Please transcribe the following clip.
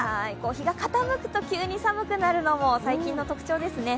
日が傾くと、急に寒くなるのも最近の特徴ですね。